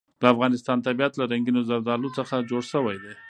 د افغانستان طبیعت له رنګینو زردالو څخه جوړ شوی دی.